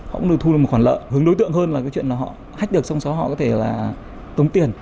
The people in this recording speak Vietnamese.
họ cũng được thu được một khoản lợi hướng đối tượng hơn là cái chuyện họ hách được xong rồi họ có thể là tốn tiền